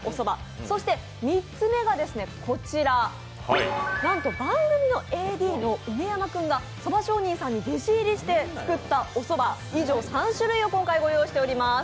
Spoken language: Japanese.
そして３つ目がこちら、番組のＡＤの梅山君が蕎上人さんに弟子入りして作った、以上、３種類を今回ご用意しております。